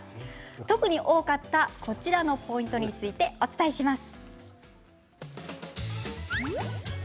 特に多かったこのポイントについてお伝えします。